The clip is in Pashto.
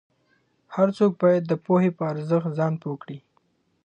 هر څوک باید د پوهې په ارزښت ځان پوه کړي.